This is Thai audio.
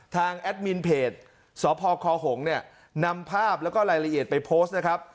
แอดมินเพจสพคหงเนี่ยนำภาพแล้วก็รายละเอียดไปโพสต์นะครับ